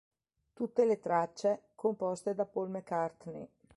Tutte le tracce composte da Paul McCartney.